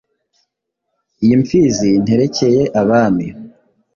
Iyi Mfizi nterekeye Abami